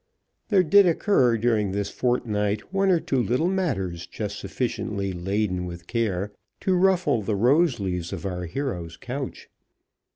There did occur during this fortnight one or two little matters, just sufficiently laden with care to ruffle the rose leaves of our hero's couch.